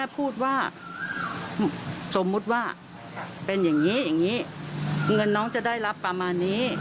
เป็นอย่างงี้อย่างงี้เงินน้องจะได้รับประมาณนี้